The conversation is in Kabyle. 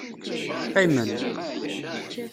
Qqimen.